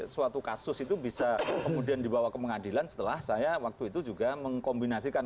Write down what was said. suatu kasus itu bisa kemudian dibawa ke pengadilan setelah saya waktu itu juga mengkombinasikan